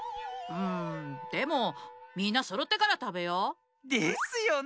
んでもみんなそろってからたべよう。ですよね。